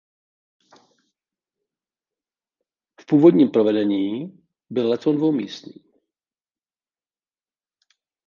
V původním provedení byl letoun dvoumístný.